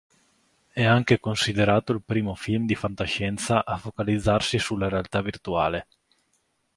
È anche considerato il primo film di fantascienza a focalizzarsi sulla realtà virtuale.